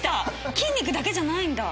筋肉だけじゃないんだ。